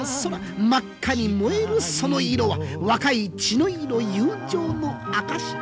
真っ赤に燃えるその色は若い血の色友情の証し。